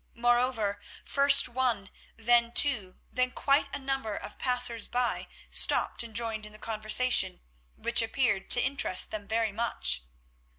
Moreover, first one, then two, then quite a number of passers by stopped and joined in the conversation, which appeared to interest them very much.